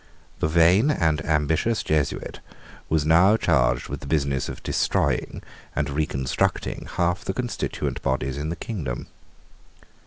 The vain and ambitious Jesuit was now charged with the business of destroying and reconstructing half the constituent bodies in the kingdom.